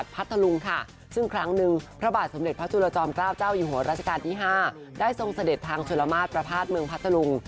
ประภาสเมืองพัทธรุง